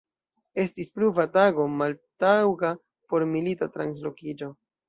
Estis pluva tago, maltaŭga por milita translokiĝo.